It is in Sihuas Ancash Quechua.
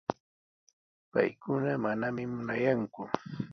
Paykuna manami muruyanku.